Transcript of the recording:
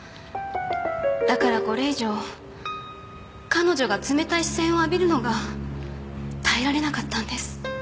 だからこれ以上彼女が冷たい視線を浴びるのが耐えられなかったんです。